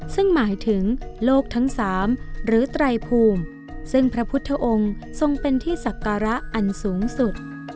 ซึ่งหมายถึงโลกทั้ง๓หรือไตรภูมิซึ่งพระพุทธองค์ทรงเป็นที่ศักระอันสูงสุด